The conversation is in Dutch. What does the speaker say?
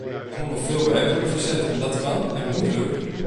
Er moet nog veel werk worden verzet en dat kan en moet lukken.